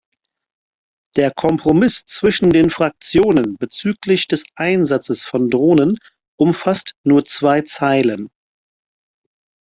Der Kompromiss zwischen den Fraktionen bezüglich des Einsatzes von Drohnen umfasst nur zwei Zeilen.